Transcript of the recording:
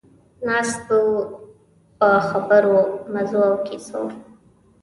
ناست به وو په خبرو، مزو او کیسو.